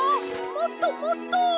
もっともっと！